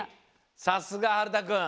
さすがはるたくん。